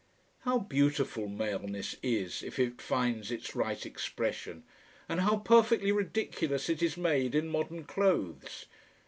How beautiful maleness is, if it finds its right expression. And how perfectly ridiculous it is made in modern clothes.